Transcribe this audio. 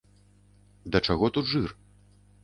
Да чаго тут жыр?